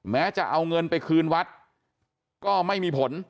แม้จะเอาเงินไปคืนวัดก็ไม่มีผล